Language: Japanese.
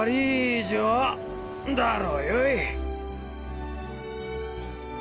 だろうよい